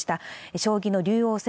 将棋の竜王戦